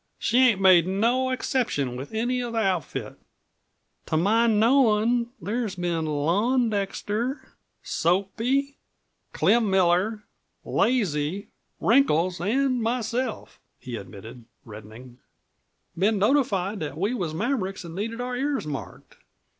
"She ain't made no exception with any of the outfit. To my knowin' there's been Lon Dexter, Soapy, Clem Miller, Lazy, Wrinkles an' myself," he admitted, reddening, "been notified that we was mavericks an' needed our ears marked.